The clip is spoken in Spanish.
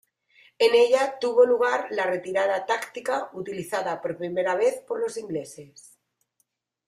En ella tuvo lugar la retirada táctica, utilizada por primera vez por los ingleses.